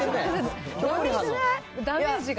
ダメージが。